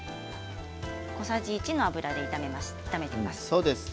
小さじ１の油で炒めています。